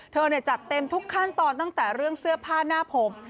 จัดเต็มทุกขั้นตอนตั้งแต่เรื่องเสื้อผ้าหน้าผม